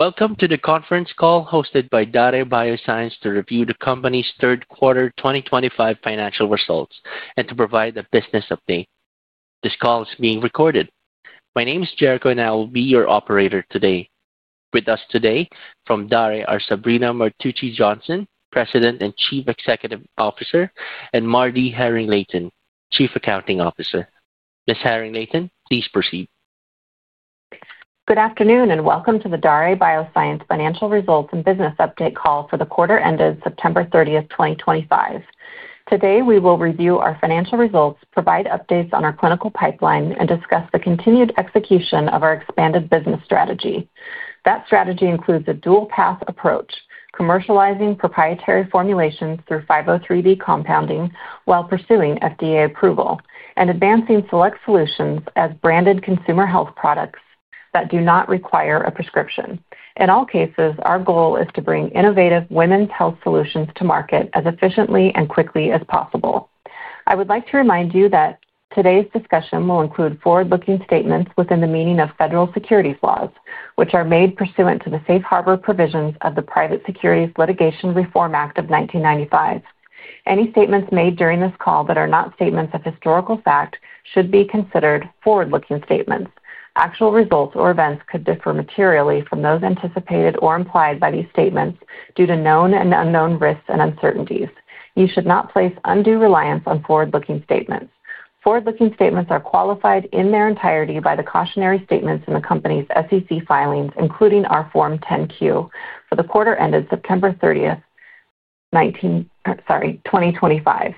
Welcome to the conference call hosted by Daré Bioscience to review the company's third quarter 2025 financial results and to provide a business update. This call is being recorded. My name is Jericho, and I will be your operator today. With us today from Daré are Sabrina Martucci Johnson, President and Chief Executive Officer, and MarDee Haring-Layton, Chief Accounting Officer. Ms. Haring-Layton, please proceed. Good afternoon, and welcome to the Daré Bioscience Financial Results and Business update Call for the quarter ended September 30th, 2025. Today, we will review our financial results, provide updates on our clinical pipeline, and discuss the continued execution of our expanded business strategy. That strategy includes a dual-path approach: commercializing proprietary formulations through 503B compounding while pursuing FDA approval, and advancing select solutions as branded consumer health products that do not require a prescription. In all cases, our goal is to bring innovative women's health solutions to market as efficiently and quickly as possible. I would like to remind you that today's discussion will include forward-looking statements within the meaning of federal securities laws, which are made pursuant to the safe harbor provisions of the Private Securities Litigation Reform Act of 1995. Any statements made during this call that are not statements of historical fact should be considered forward-looking statements. Actual results or events could differ materially from those anticipated or implied by these statements due to known and unknown risks and uncertainties. You should not place undue reliance on forward-looking statements. Forward-looking statements are qualified in their entirety by the cautionary statements in the company's SEC filings, including our Form 10-Q for the quarter ended September 30th, 2025,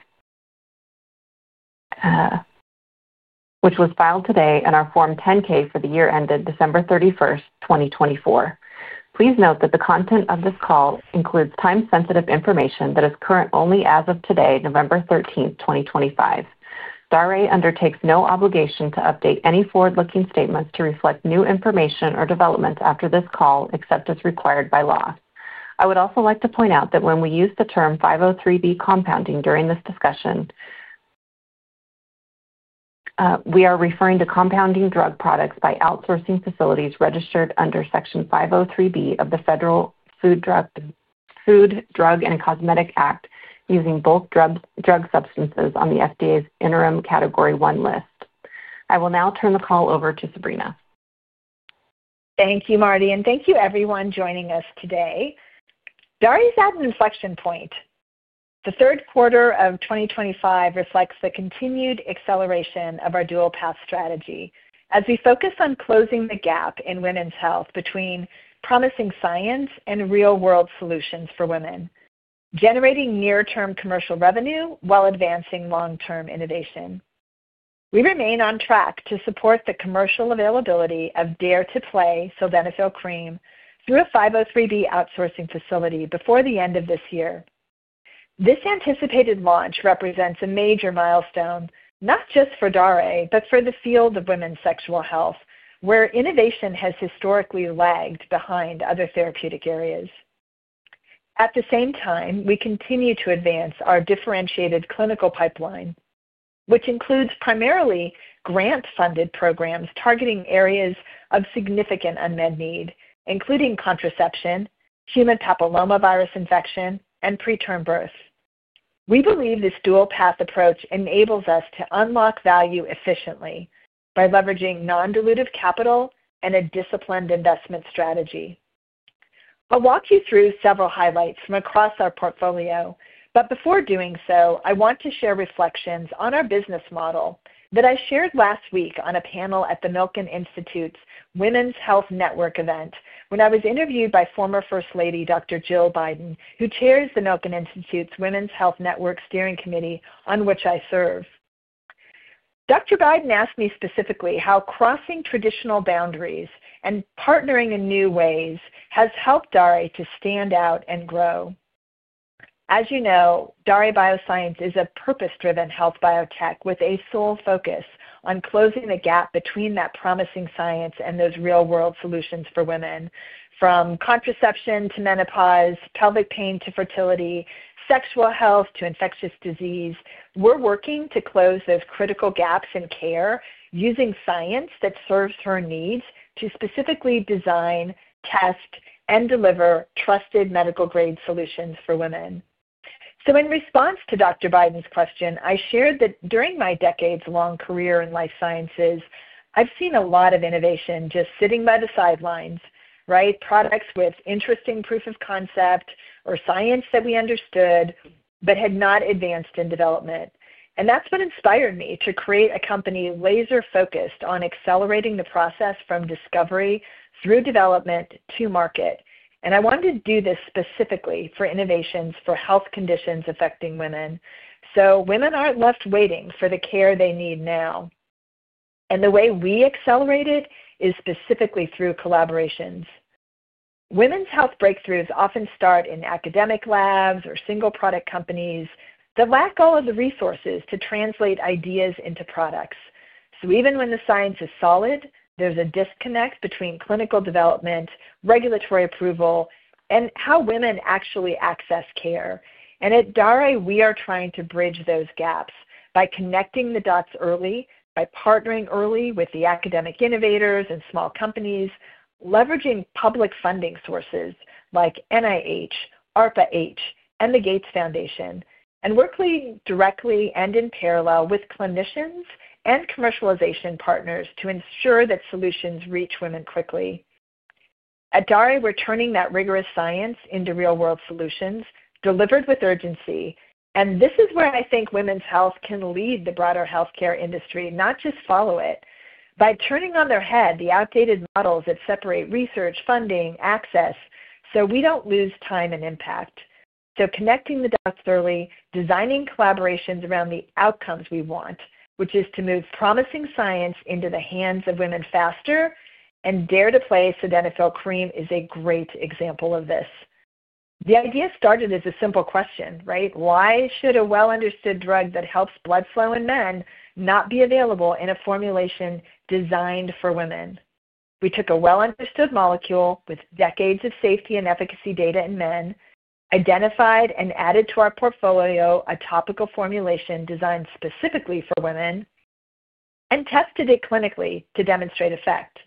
which was filed today, and our Form 10-K for the year ended December 31st, 2024. Please note that the content of this call includes time-sensitive information that is current only as of today, November 13th, 2025. Daré undertakes no obligation to update any forward-looking statements to reflect new information or developments after this call, except as required by law. I would also like to point out that when we use the term 503B compounding during this discussion, we are referring to compounding drug products by outsourcing facilities registered under Section 503B of the Federal Food, Drug, and Cosmetic Act, using bulk drug substances on the FDA's interim Category 1 list. I will now turn the call over to Sabrina. Thank you, MarDee, and thank you, everyone, joining us today. Daré is at an inflection point. The third quarter of 2025 reflects the continued acceleration of our dual-path strategy as we focus on closing the gap in women's health between promising science and real-world solutions for women, generating near-term commercial revenue while advancing long-term innovation. We remain on track to support the commercial availability of DARE to PLAY Sildenafil Cream through a 503B outsourcing facility before the end of this year. This anticipated launch represents a major milestone not just for Daré, but for the field of women's sexual health, where innovation has historically lagged behind other therapeutic areas. At the same time, we continue to advance our differentiated clinical pipeline, which includes primarily grant-funded programs targeting areas of significant unmet need, including contraception, human papillomavirus infection, and preterm birth. We believe this dual-path approach enables us to unlock value efficiently by leveraging non-dilutive capital and a disciplined investment strategy. I'll walk you through several highlights from across our portfolio, but before doing so, I want to share reflections on our business model that I shared last week on a panel at the Milken Institute's Women's Health Network event when I was interviewed by former First Lady Dr. Jill Biden, who chairs the Milken Institute's Women's Health Network Steering Committee, on which I serve. Dr. Biden asked me specifically how crossing traditional boundaries and partnering in new ways has helped Daré to stand out and grow. As you know, Daré Bioscience is a purpose-driven health biotech with a sole focus on closing the gap between that promising science and those real-world solutions for women. From contraception to menopause, pelvic pain to fertility, sexual health to infectious disease, we're working to close those critical gaps in care using science that serves her needs to specifically design, test, and deliver trusted medical-grade solutions for women. In response to Dr. Biden's question, I shared that during my decades-long career in life sciences, I've seen a lot of innovation just sitting by the sidelines, right? Products with interesting proof of concept or science that we understood but had not advanced in development. That's what inspired me to create a company laser-focused on accelerating the process from discovery through development to market. I wanted to do this specifically for innovations for health conditions affecting women. Women aren't left waiting for the care they need now. The way we accelerate it is specifically through collaborations. Women's health breakthroughs often start in academic labs or single-product companies that lack all of the resources to translate ideas into products. Even when the science is solid, there's a disconnect between clinical development, regulatory approval, and how women actually access care. At Daré, we are trying to bridge those gaps by connecting the dots early, by partnering early with the academic innovators and small companies, leveraging public funding sources like NIH, ARPA-H, and the Gates Foundation, and working directly and in parallel with clinicians and commercialization partners to ensure that solutions reach women quickly. At Daré, we're turning that rigorous science into real-world solutions delivered with urgency. This is where I think women's health can lead the broader healthcare industry, not just follow it, by turning on their head the outdated models that separate research, funding, access, so we don't lose time and impact. Connecting the dots early, designing collaborations around the outcomes we want, which is to move promising science into the hands of women faster, and DARE to PLAY Sildenafil Cream is a great example of this. The idea started as a simple question, right? Why should a well-understood drug that helps blood flow in men not be available in a formulation designed for women? We took a well-understood molecule with decades of safety and efficacy data in men, identified and added to our portfolio a topical formulation designed specifically for women, and tested it clinically to demonstrate effect.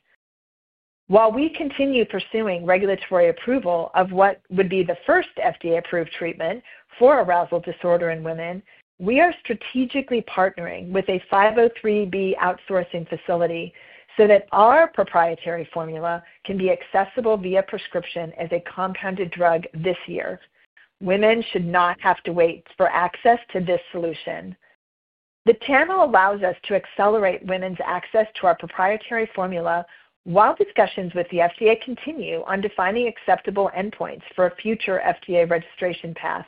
While we continue pursuing regulatory approval of what would be the first FDA-approved treatment for arousal disorder in women, we are strategically partnering with a 503B outsourcing facility so that our proprietary formula can be accessible via prescription as a compounded drug this year. Women should not have to wait for access to this solution. The channel allows us to accelerate women's access to our proprietary formula while discussions with the FDA continue on defining acceptable endpoints for a future FDA registration path.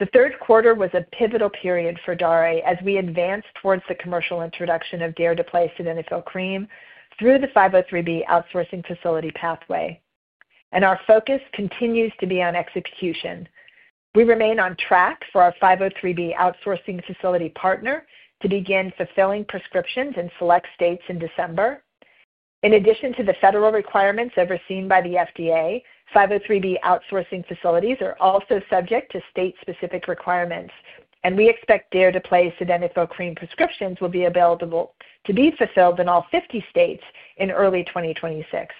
The third quarter was a pivotal period for Daré as we advanced towards the commercial introduction of DARE to PLAY Sildenafil Cream through the 503B outsourcing facility pathway. Our focus continues to be on execution. We remain on track for our 503B outsourcing facility partner to begin fulfilling prescriptions in select states in December. In addition to the federal requirements overseen by the FDA, 503B outsourcing facilities are also subject to state-specific requirements, and we expect DARE to PLAY Sildenafil Cream prescriptions will be available to be fulfilled in all 50 states in early 2026.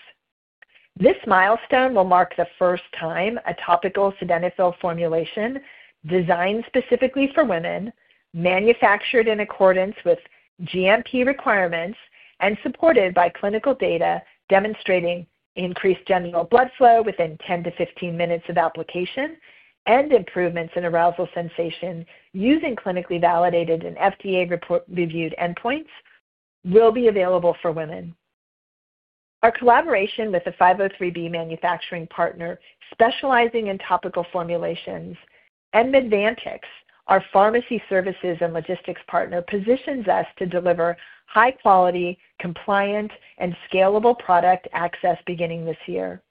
This milestone will mark the first time a topical sildenafil formulation designed specifically for women, manufactured in accordance with GMP requirements, and supported by clinical data demonstrating increased general blood flow within 10 minutes-15 minutes of application, and improvements in arousal sensation using clinically validated and FDA-reviewed endpoints will be available for women. Our collaboration with a 503B manufacturing partner specializing in topical formulations, and Medvantx, our pharmacy services and logistics partner, positions us to deliver high-quality, compliant, and scalable product access beginning this year.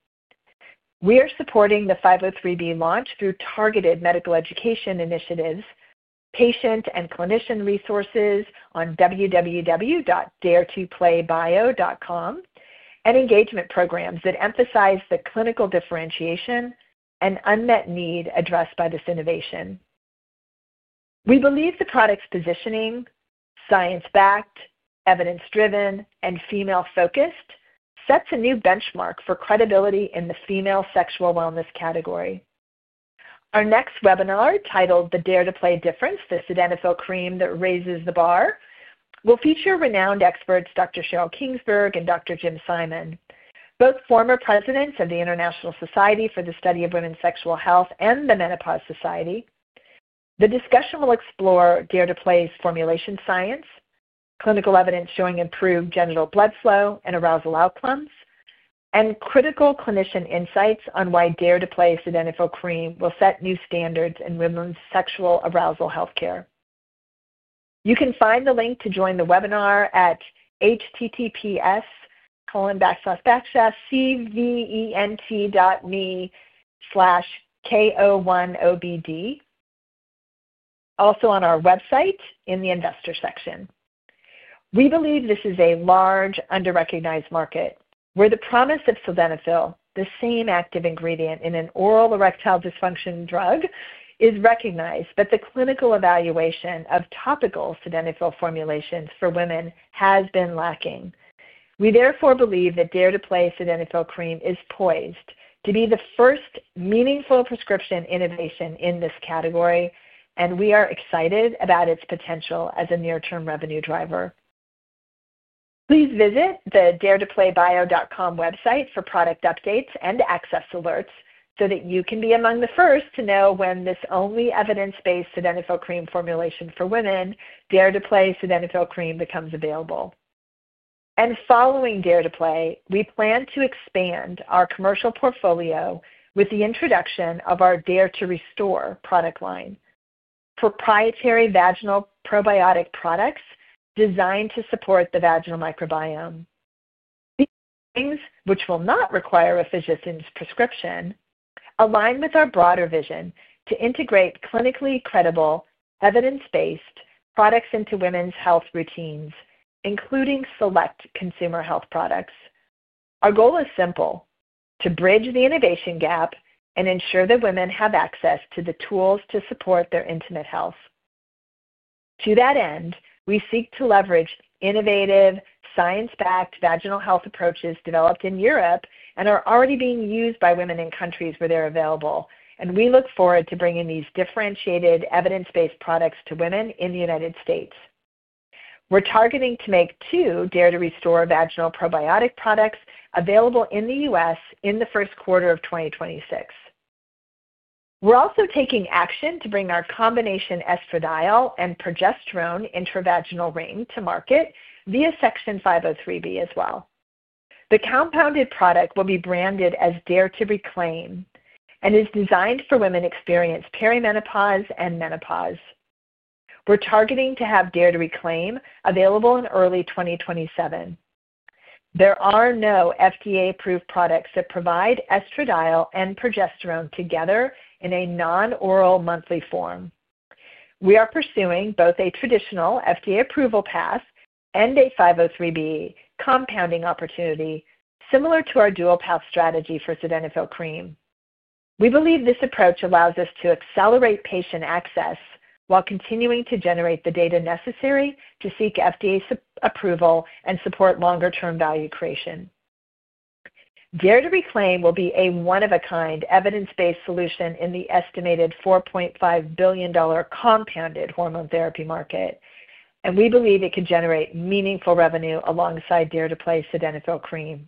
We are supporting the 503B launch through targeted medical education initiatives, patient and clinician resources on www.daretoplaybio.com, and engagement programs that emphasize the clinical differentiation and unmet need addressed by this innovation. We believe the product's positioning, science-backed, evidence-driven, and female-focused sets a new benchmark for credibility in the female sexual wellness category. Our next webinar, titled "The DARE to PLAY Difference: The Sildenafil Cream That Raises the Bar," will feature renowned experts Dr. Sheryl Kingsberg and Dr. Jim Simon, both former presidents of the International Society for the Study of Women's Sexual Health and the Menopause Society. The discussion will explore DARE to PLAY's formulation science, clinical evidence showing improved genital blood flow and arousal outcomes, and critical clinician insights on why DARE to PLAY Sildenafil Cream will set new standards in women's sexual arousal healthcare. You can find the link to join the webinar at https://cvent.me/ko1obd, also on our website in the investor section. We believe this is a large, under-recognized market, where the promise of sildenafil, the same active ingredient in an oral erectile dysfunction drug, is recognized, but the clinical evaluation of topical sildenafil formulations for women has been lacking. We therefore believe that DARE to PLAY Sildenafil Cream is poised to be the first meaningful prescription innovation in this category, and we are excited about its potential as a near-term revenue driver. Please visit the daretoplaybio.com website for product updates and access alerts so that you can be among the first to know when this only evidence-based Sildenafil Cream formulation for women, DARE to PLAY Sildenafil Cream, becomes available. Following DARE to PLAY, we plan to expand our commercial portfolio with the introduction of our DARE to RESTORE product line, proprietary vaginal probiotic products designed to support the vaginal microbiome. These things, which will not require a physician's prescription, align with our broader vision to integrate clinically credible, evidence-based products into women's health routines, including select consumer health products. Our goal is simple: to bridge the innovation gap and ensure that women have access to the tools to support their intimate health. To that end, we seek to leverage innovative, science-backed vaginal health approaches developed in Europe and are already being used by women in countries where they're available. We look forward to bringing these differentiated, evidence-based products to women in the United States. We're targeting to make two DARE to RESTORE vaginal probiotic products available in the U.S. in the first quarter of 2026. We're also taking action to bring our combination estradiol and progesterone intravaginal ring to market via Section 503B as well. The compounded product will be branded as DARE to RECLAIM and is designed for women experiencing perimenopause and menopause. We're targeting to have DARE to RECLAIM available in early 2027. There are no FDA-approved products that provide estradiol and progesterone together in a non-oral monthly form. We are pursuing both a traditional FDA-approval path and a 503B compounding opportunity, similar to our dual-path strategy for Sildenafil Cream. We believe this approach allows us to accelerate patient access while continuing to generate the data necessary to seek FDA approval and support longer-term value creation. DARE to RECLAIM will be a one-of-a-kind, evidence-based solution in the estimated $4.5 billion compounded hormone therapy market, and we believe it can generate meaningful revenue alongside DARE to PLAY Sildenafil Cream.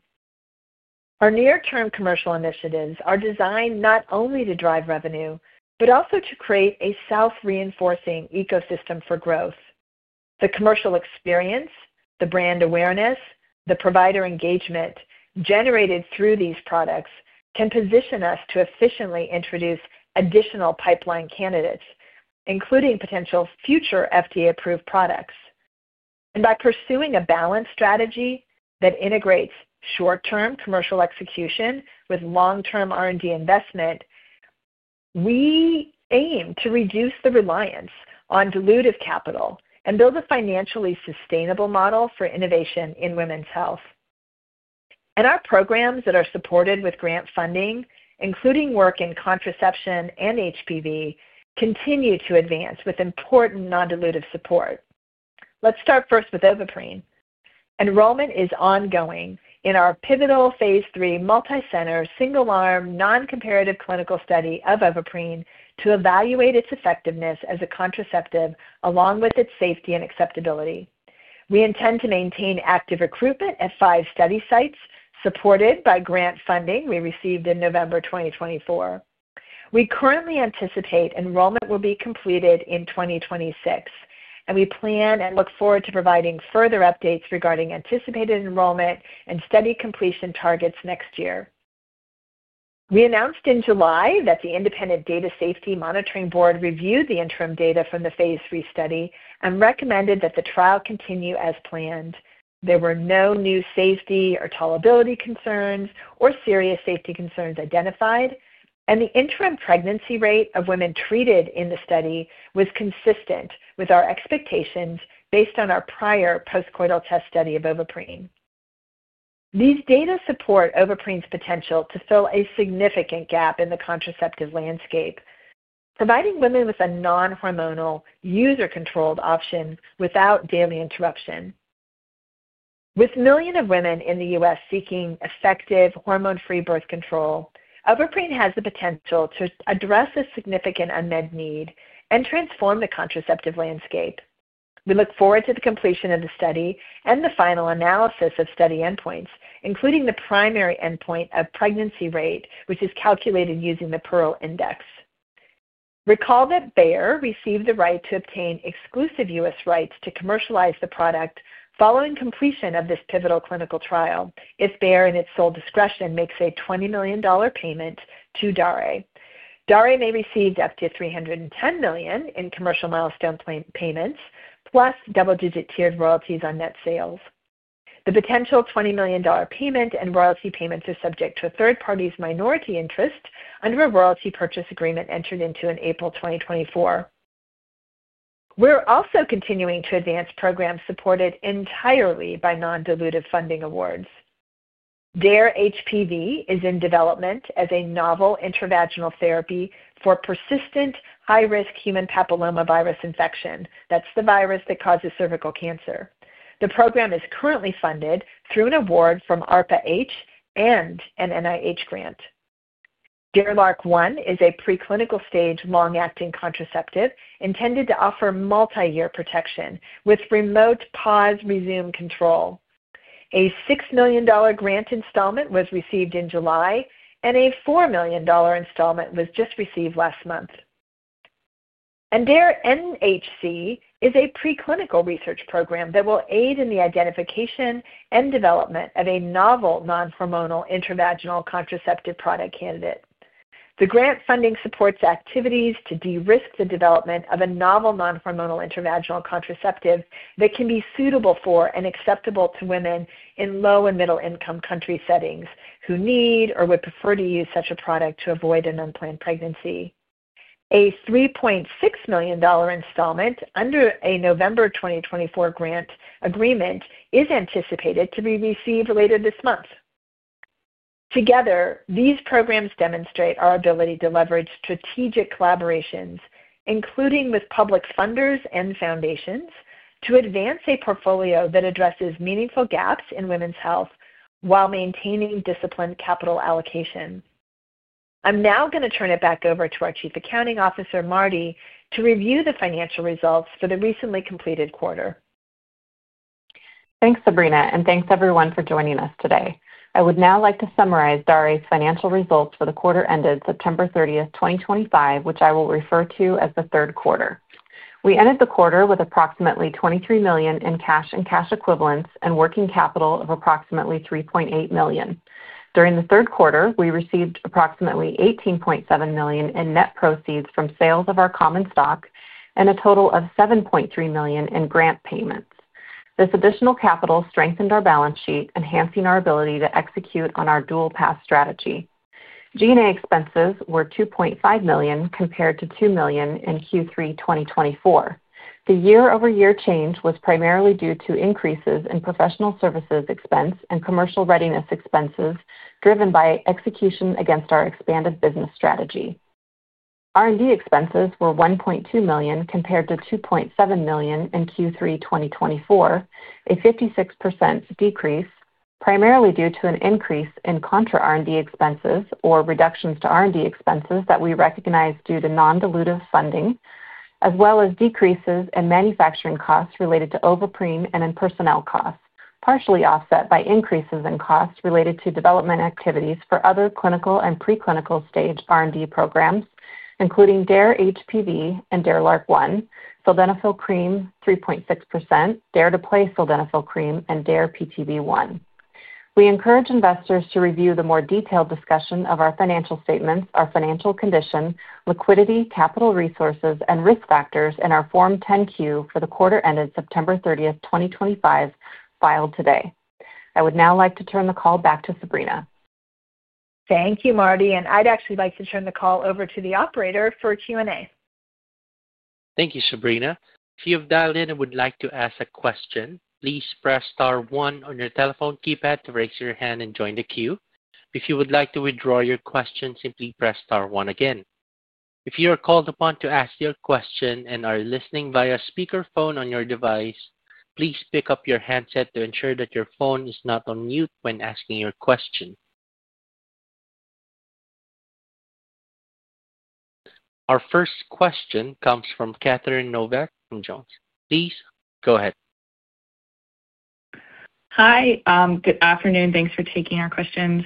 Our near-term commercial initiatives are designed not only to drive revenue, but also to create a self-reinforcing ecosystem for growth. The commercial experience, the brand awareness, the provider engagement generated through these products can position us to efficiently introduce additional pipeline candidates, including potential future FDA-approved products. By pursuing a balanced strategy that integrates short-term commercial execution with long-term R&D investment, we aim to reduce the reliance on dilutive capital and build a financially sustainable model for innovation in women's health. Our programs that are supported with grant funding, including work in contraception and HPV, continue to advance with important non-dilutive support. Let's start first with Ovaprene. Enrollment is ongoing in our pivotal phase III multi-center single-arm non-comparative clinical study of Ovaprene to evaluate its effectiveness as a contraceptive along with its safety and acceptability. We intend to maintain active recruitment at five study sites supported by grant funding we received in November 2024. We currently anticipate enrollment will be completed in 2026, and we plan and look forward to providing further updates regarding anticipated enrollment and study completion targets next year. We announced in July that the Independent Data Safety Monitoring Board reviewed the interim data from the phase III study and recommended that the trial continue as planned. There were no new safety or tolerability concerns or serious safety concerns identified, and the interim pregnancy rate of women treated in the study was consistent with our expectations based on our prior post-coital test study of Ovaprene. These data support Ovaprene's potential to fill a significant gap in the contraceptive landscape, providing women with a non-hormonal, user-controlled option without daily interruption. With millions of women in the U.S. seeking effective hormone-free birth control, Ovaprene has the potential to address a significant unmet need and transform the contraceptive landscape. We look forward to the completion of the study and the final analysis of study endpoints, including the primary endpoint of pregnancy rate, which is calculated using the Pearl Index. Recall that Bayer received the right to obtain exclusive U.S. rights to commercialize the product following completion of this pivotal clinical trial if Bayer in its sole discretion makes a $20 million payment to Daré. Daré may receive up to $310 million in commercial milestone payments, plus double-digit tiered royalties on net sales. The potential $20 million payment and royalty payments are subject to a third party's minority interest under a royalty purchase agreement entered into in April 2024. We're also continuing to advance programs supported entirely by non-dilutive funding awards. DARE-HPV is in development as a novel intravaginal therapy for persistent high-risk human papillomavirus infection. That's the virus that causes cervical cancer. The program is currently funded through an award from ARPA-H and an NIH grant. DARE-LARC1 is a preclinical stage long-acting contraceptive intended to offer multi-year protection with remote pause-resume control. A $6 million grant installment was received in July, and a $4 million installment was just received last month. DARE-NHC is a preclinical research program that will aid in the identification and development of a novel non-hormonal intravaginal contraceptive product candidate. The grant funding supports activities to de-risk the development of a novel non-hormonal intravaginal contraceptive that can be suitable for and acceptable to women in low and middle-income country settings who need or would prefer to use such a product to avoid an unplanned pregnancy. A $3.6 million installment under a November 2024 grant agreement is anticipated to be received later this month. Together, these programs demonstrate our ability to leverage strategic collaborations, including with public funders and foundations, to advance a portfolio that addresses meaningful gaps in women's health while maintaining disciplined capital allocation. I'm now going to turn it back over to our Chief Accounting Officer, MarDee, to review the financial results for the recently completed quarter. Thanks, Sabrina, and thanks everyone for joining us today. I would now like to summarize Daré's financial results for the quarter ended September 30th, 2025, which I will refer to as the third quarter. We ended the quarter with approximately $23 million in cash and cash equivalents and working capital of approximately $3.8 million. During the third quarter, we received approximately $18.7 million in net proceeds from sales of our common stock and a total of $7.3 million in grant payments. This additional capital strengthened our balance sheet, enhancing our ability to execute on our dual-path strategy. G&A expenses were $2.5 million compared to $2 million in Q3 2024. The year-over-year change was primarily due to increases in professional services expense and commercial readiness expenses driven by execution against our expanded business strategy. R&D expenses were $1.2 million compared to $2.7 million in Q3 2024, a 56% decrease, primarily due to an increase in contra-R&D expenses or reductions to R&D expenses that we recognize due to non-dilutive funding, as well as decreases in manufacturing costs related to Ovaprene and in personnel costs, partially offset by increases in costs related to development activities for other clinical and preclinical stage R&D programs, including DARE-HPV and DARE-LARC1, Sildenafil Cream 3.6%, DARE to PLAY Sildenafil Cream, and DARE-PTB1. We encourage investors to review the more detailed discussion of our financial statements, our financial condition, liquidity, capital resources, and risk factors in our Form 10-Q for the quarter ended September 30th, 2025, filed today. I would now like to turn the call back to Sabrina. Thank you, MarDee. I would actually like to turn the call over to the operator for Q&A. Thank you, Sabrina. If you have dialed in and would like to ask a question, please press star one on your telephone keypad to raise your hand and join the queue. If you would like to withdraw your question, simply press star one again. If you are called upon to ask your question and are listening via speakerphone on your device, please pick up your handset to ensure that your phone is not on mute when asking your question. Our first question comes from Catherine Novack from Jones. Please go ahead. Hi. Good afternoon. Thanks for taking our questions.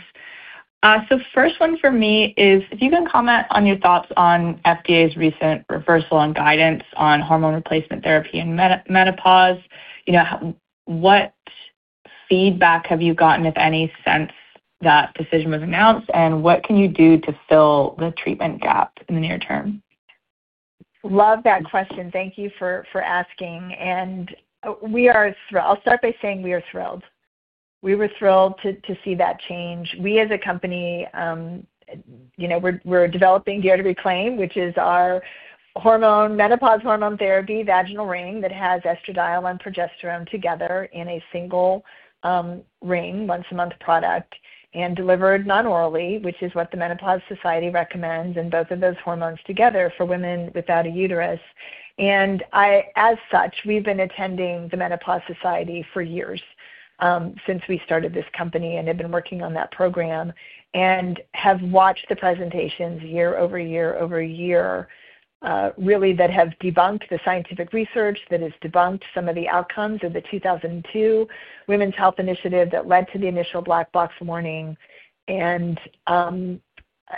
The first one for me is, if you can comment on your thoughts on FDA's recent reversal and guidance on hormone replacement therapy in menopause, what feedback have you gotten, if any, since that decision was announced? What can you do to fill the treatment gap in the near term? Love that question. Thank you for asking. We are—I'll start by saying we are thrilled. We were thrilled to see that change. We, as a company, are developing DARE to RECLAIM, which is our menopause hormone therapy vaginal ring that has estradiol and progesterone together in a single ring, once-a-month product, and delivered non-orally, which is what the Menopause Society recommends, and both of those hormones together for women without a uterus. As such, we've been attending the Menopause Society for years since we started this company and have been working on that program and have watched the presentations year over year over year, really, that have debunked the scientific research that has debunked some of the outcomes of the 2002 Women's Health Initiative that led to the initial black box warning and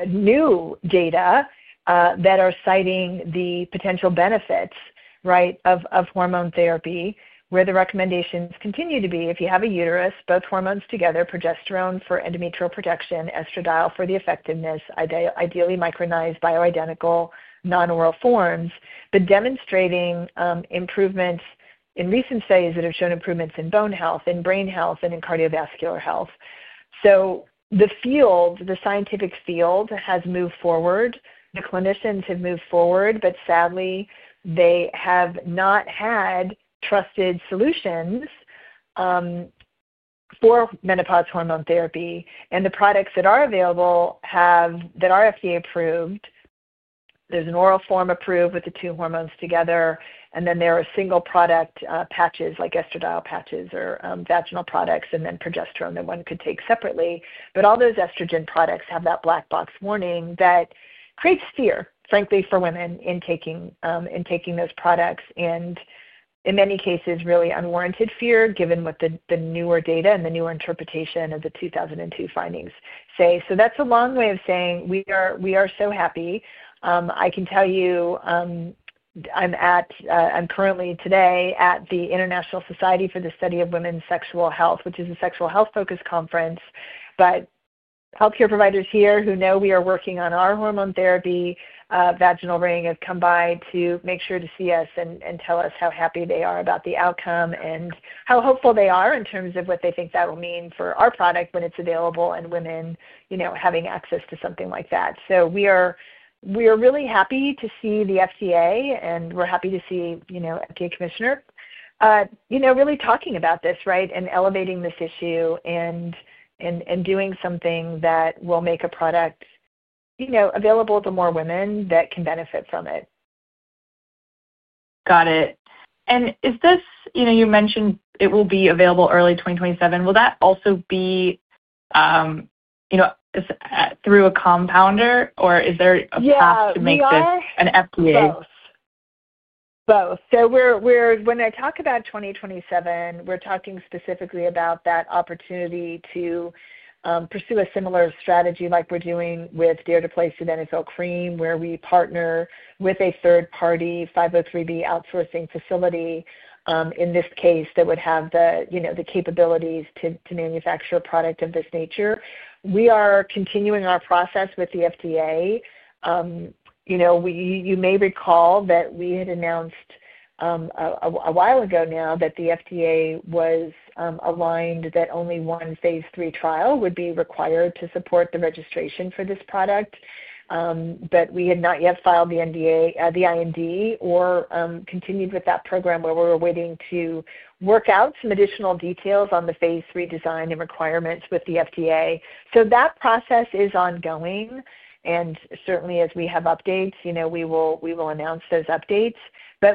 new data that are citing the potential benefits, right, of hormone therapy, where the recommendations continue to be, if you have a uterus, both hormones together, progesterone for endometrial protection, estradiol for the effectiveness, ideally micronized, bioidentical, non-oral forms, but demonstrating improvements in recent studies that have shown improvements in bone health, in brain health, and in cardiovascular health. The field, the scientific field, has moved forward. The clinicians have moved forward, but sadly, they have not had trusted solutions for menopause hormone therapy. The products that are available that are FDA-approved, there's an oral form approved with the two hormones together, and then there are single-product patches, like estradiol patches or vaginal products, and then progesterone that one could take separately. All those estrogen products have that black box warning that creates fear, frankly, for women in taking those products and, in many cases, really unwarranted fear, given what the newer data and the newer interpretation of the 2002 findings say. That is a long way of saying we are so happy. I can tell you I'm currently, today, at the International Society for the Study of Women's Sexual Health, which is a sexual health-focused conference. Healthcare providers here who know we are working on our hormone therapy vaginal ring have come by to make sure to see us and tell us how happy they are about the outcome and how hopeful they are in terms of what they think that will mean for our product when it is available and women having access to something like that. We are really happy to see the FDA, and we are happy to see FDA Commissioner really talking about this, right, and elevating this issue and doing something that will make a product available to more women that can benefit from it. Got it. Is this—you mentioned it will be available early 2027. Will that also be through a compounder, or is there a path to make this an FDA? Both. Both. When I talk about 2027, we're talking specifically about that opportunity to pursue a similar strategy like we're doing with DARE to PLAY Sildenafil Cream, where we partner with a third-party 503B outsourcing facility, in this case, that would have the capabilities to manufacture a product of this nature. We are continuing our process with the FDA. You may recall that we had announced a while ago now that the FDA was aligned that only one phase III trial would be required to support the registration for this product. We had not yet filed the IND or continued with that program where we were waiting to work out some additional details on the phase III design and requirements with the FDA. That process is ongoing. Certainly, as we have updates, we will announce those updates.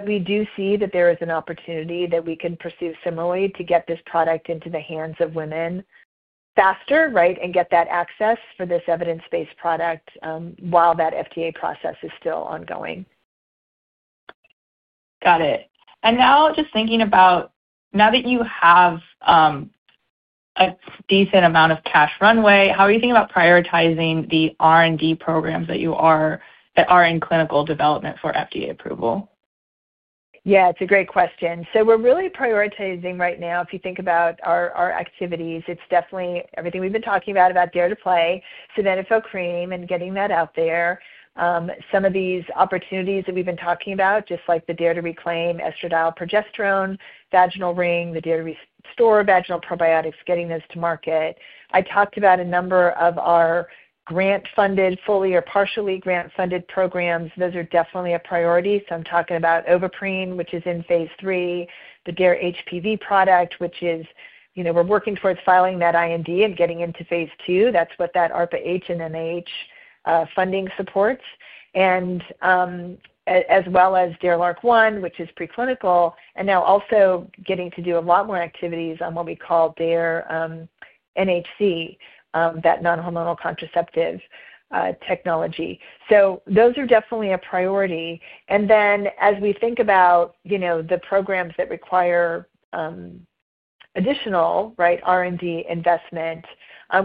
We do see that there is an opportunity that we can pursue similarly to get this product into the hands of women faster, right, and get that access for this evidence-based product while that FDA process is still ongoing. Got it. Now, just thinking about now that you have a decent amount of cash runway, how are you thinking about prioritizing the R&D programs that are in clinical development for FDA approval? Yeah, it's a great question. We're really prioritizing right now, if you think about our activities, it's definitely everything we've been talking DARE to PLAY Sildenafil Cream, and getting that out there. Some of these opportunities that we've been talking about, just like the DARE to RECLAIM, estradiol, progesterone, vaginal ring, the DARE to RESTORE vaginal probiotics, getting those to market. I talked about a number of our grant-funded, fully or partially grant-funded programs. Those are definitely a priority. I'm talking about Ovaprene, which is in phase III, the DARE-HPV product, which is we're working towards filing that IND and getting into phase II. That is what that ARPA-H and NIH funding supports, as well as DARE-LARC1, which is preclinical, and now also getting to do a lot more activities on what we call DARE-NHC, that non-hormonal contraceptive technology. Those are definitely a priority. As we think about the programs that require additional, right, R&D investment,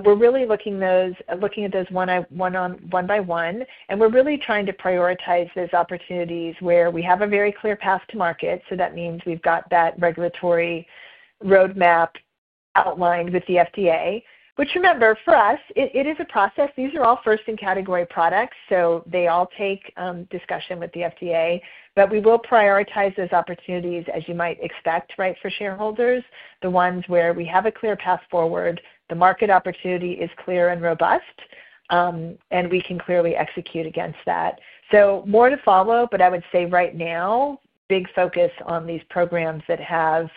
we're really looking at those one by one. We're really trying to prioritize those opportunities where we have a very clear path to market. That means we've got that regulatory roadmap outlined with the FDA, which, remember, for us, it is a process. These are all first-in-category products. They all take discussion with the FDA. We will prioritize those opportunities, as you might expect, for shareholders, the ones where we have a clear path forward, the market opportunity is clear and robust, and we can clearly execute against that. More to follow. I would say, right now, big focus on these programs that have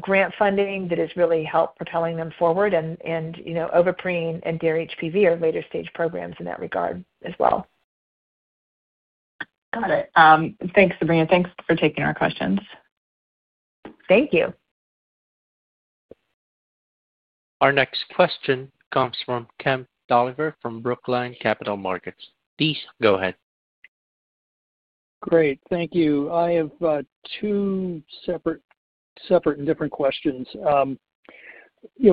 grant funding that has really helped propelling them forward. Ovaprene and DARE-HPV are later-stage programs in that regard as well. Got it. Thanks, Sabrina. Thanks for taking our questions. Thank you. Our next question comes from Kemp Doliver from Brookline Capital Markets. Please go ahead. Great. Thank you. I have two separate and different questions.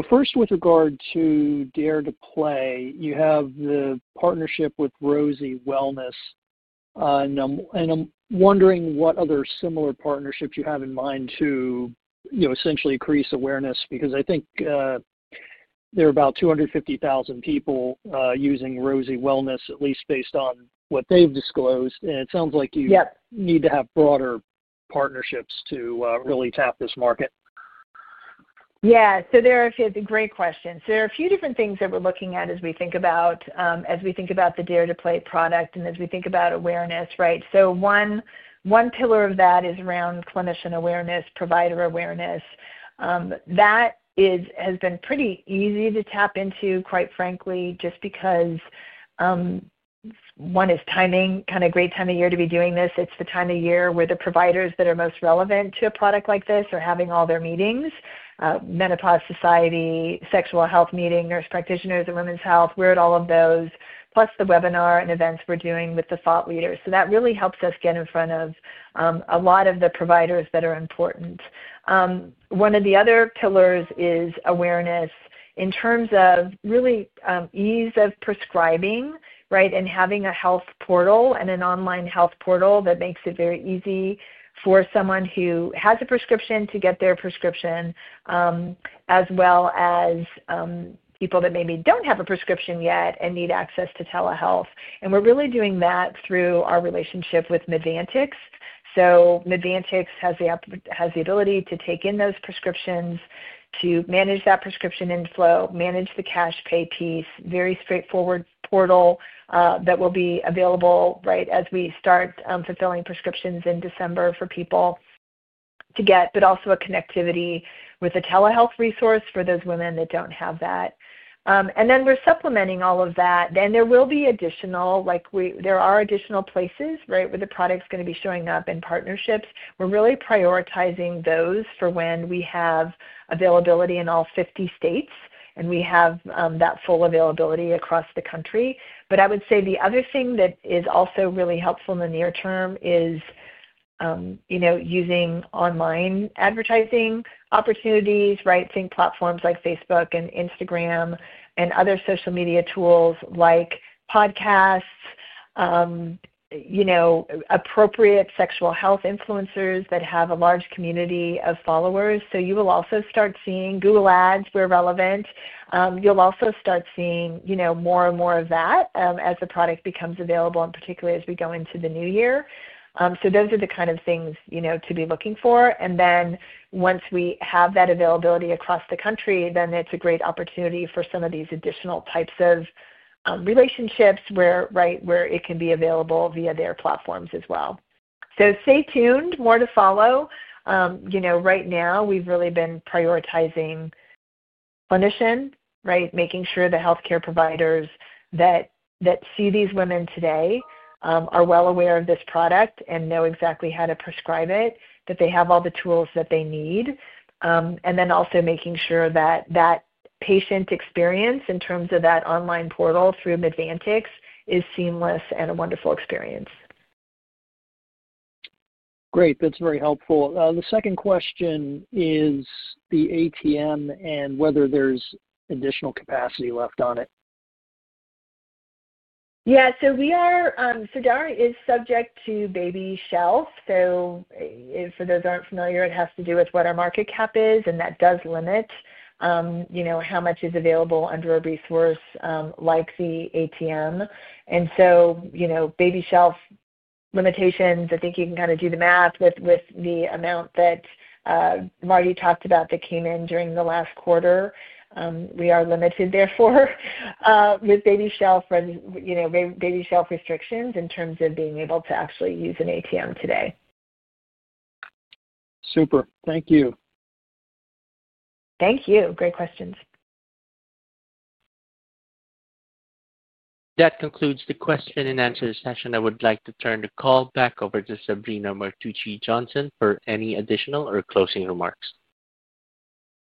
First, with regard to DARE to PLAY, you have the partnership with Rosy Wellness. I'm wondering what other similar partnerships you have in mind to essentially increase awareness because I think there are about 250,000 people using Rosy Wellness, at least based on what they've disclosed. It sounds like you need to have broader partnerships to really tap this market. Yeah. There are a few—it's a great question. There are a few different things that we're looking at as we think about the DARE to PLAY product and as we think about awareness, right? One pillar of that is around clinician awareness, provider awareness. That has been pretty easy to tap into, quite frankly, just because one is timing, kind of great time of year to be doing this. It's the time of year where the providers that are most relevant to a product like this are having all their meetings: Menopause Society, Sexual Health Meeting, Nurse Practitioners and Women's Health. We're at all of those, plus the webinar and events we're doing with the thought leaders. That really helps us get in front of a lot of the providers that are important. One of the other pillars is awareness in terms of really ease of prescribing, right, and having a health portal and an online health portal that makes it very easy for someone who has a prescription to get their prescription, as well as people that maybe do not have a prescription yet and need access to telehealth. We're really doing that through our relationship with Medvantx. Medvantx has the ability to take in those prescriptions, to manage that prescription inflow, manage the cash pay piece, very straightforward portal that will be available, right, as we start fulfilling prescriptions in December for people to get, but also a connectivity with a telehealth resource for those women that do not have that. We are supplementing all of that. There are additional places, right, where the product is going to be showing up in partnerships. We are really prioritizing those for when we have availability in all 50 states, and we have that full availability across the country. I would say the other thing that is also really helpful in the near term is using online advertising opportunities, right, think platforms like Facebook and Instagram and other social media tools like podcasts, appropriate sexual health influencers that have a large community of followers. You will also start seeing Google Ads, where relevant. You'll also start seeing more and more of that as the product becomes available, and particularly as we go into the new year. Those are the kind of things to be looking for. Once we have that availability across the country, then it's a great opportunity for some of these additional types of relationships, right, where it can be available via their platforms as well. Stay tuned. More to follow. Right now, we've really been prioritizing clinician, right, making sure the healthcare providers that see these women today are well aware of this product and know exactly how to prescribe it, that they have all the tools that they need, and then also making sure that that patient experience in terms of that online portal through Medvantx is seamless and a wonderful experience. Great. That's very helpful. The second question is the ATM and whether there's additional capacity left on it. Yeah. So Daré is subject to baby shelf. For those who aren't familiar, it has to do with what our market cap is, and that does limit how much is available under a resource like the ATM. Baby shelf limitations, I think you can kind of do the math with the amount that MarDee talked about that came in during the last quarter. We are limited, therefore, with baby shelf restrictions in terms of being able to actually use an ATM today. Super. Thank you. Thank you. Great questions. That concludes the question-and-answer session. I would like to turn the call back over to Sabrina Martucci Johnson for any additional or closing remarks.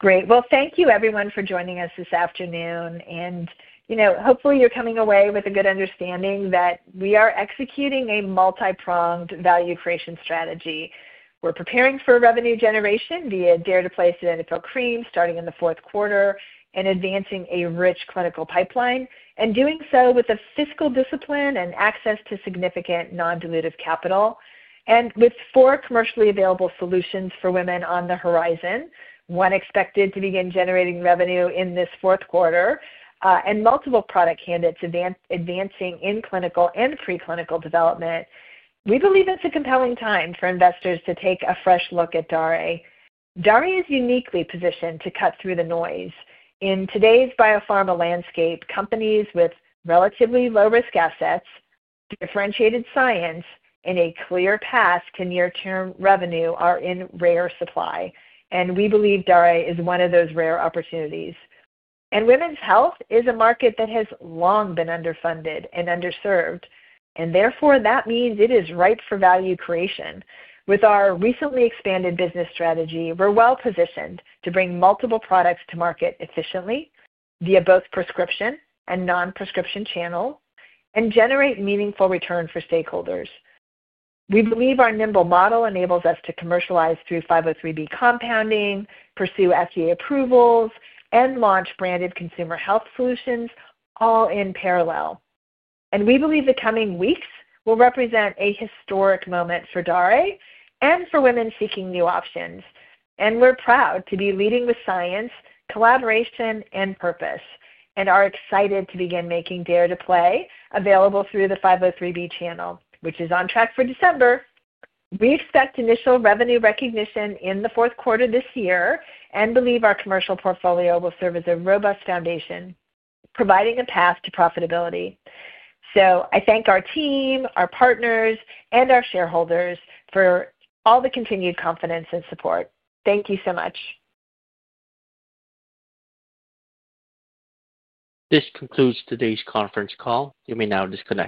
Great. Thank you, everyone, for joining us this afternoon. Hopefully, you're coming away with a good understanding that we are executing a multi-pronged value creation strategy. We're preparing for revenue generation via DARE to PLAY Sildenafil Cream starting in the fourth quarter and advancing a rich clinical pipeline, and doing so with a fiscal discipline and access to significant non-dilutive capital, and with four commercially available solutions for women on the horizon, one expected to begin generating revenue in this fourth quarter, and multiple product candidates advancing in clinical and preclinical development. We believe it's a compelling time for investors to take a fresh look at Daré. Daré is uniquely positioned to cut through the noise. In today's biopharma landscape, companies with relatively low-risk assets, differentiated science, and a clear path to near-term revenue are in rare supply. We believe Daré is one of those rare opportunities. Women's health is a market that has long been underfunded and underserved. Therefore, that means it is ripe for value creation. With our recently expanded business strategy, we're well-positioned to bring multiple products to market efficiently via both prescription and non-prescription channels and generate meaningful return for stakeholders. We believe our nimble model enables us to commercialize through 503B compounding, pursue FDA approvals, and launch branded consumer health solutions all in parallel. We believe the coming weeks will represent a historic moment for Daré and for women seeking new options. We're proud to be leading with science, collaboration, and purpose, and are excited to begin making DARE to PLAY available through the 503B channel, which is on track for December. We expect initial revenue recognition in the fourth quarter this year and believe our commercial portfolio will serve as a robust foundation, providing a path to profitability. I thank our team, our partners, and our shareholders for all the continued confidence and support. Thank you so much. This concludes today's conference call. You may now disconnect.